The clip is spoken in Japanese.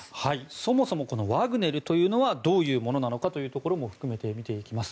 そもそもワグネルというのはどういうものなのかというのも含めて見ていきます。